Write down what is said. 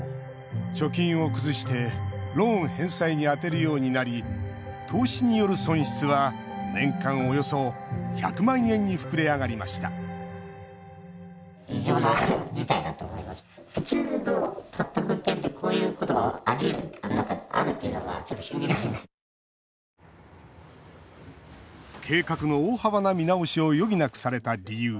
貯金を崩してローン返済に充てるようになり投資による損失は年間およそ１００万円に膨れ上がりました計画の大幅な見直しを余儀なくされた理由